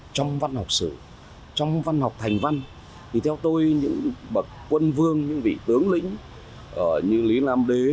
trong văn học sử trong văn học thành văn thì theo tôi những bậc quân vương những vị tướng lĩnh như lý lam đê